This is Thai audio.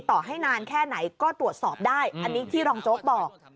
ให้นานแค่ไหนก็ตรวจสอบได้อันนี้ที่รองโจ๊กบอก